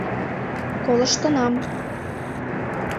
— Колыштынам.